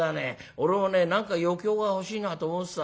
俺もね何か余興が欲しいなと思ってた。